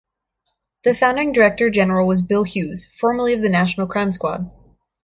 The founding Director General was Bill Hughes, formerly of the National Crime Squad.